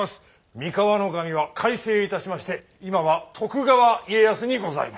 三河守は改姓いたしまして今は徳川家康にございます。